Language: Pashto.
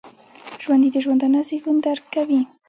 ژوندي د ژوندانه زیږون درک کوي